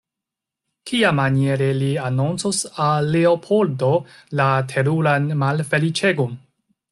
Kiamaniere li anoncos al Leopoldo la teruran malfeliĉegon?